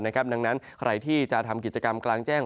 ดังนั้นใครที่จะทำกิจกรรมกลางแจ้ง